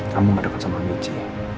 kamu gak deket sama michi